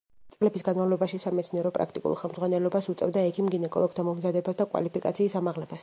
წლების განმავლობაში სამეცნიერო–პრაქტიკულ ხელმძღვანელობას უწევდა ექიმ–გინეკოლოგთა მომზადებას და კვალიფიკაციის ამაღლებას.